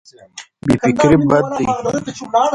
بې فکري بد دی.